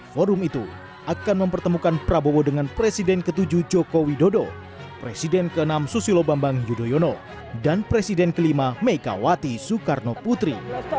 forum itu akan mempertemukan prabowo dengan presiden ke tujuh joko widodo presiden ke enam susilo bambang yudhoyono dan presiden kelima megawati soekarno putri